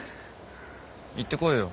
行ってこいよ。